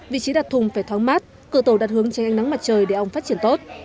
vị trí đặt thùng phải thoáng mát cửa tổ đặt hướng tránh ánh nắng mặt trời để ong phát triển tốt